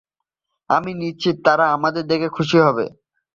আমি নিশ্চিত তারা আমাদের দেখে খুশি হবে।